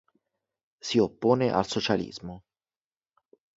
Si oppone al socialismo.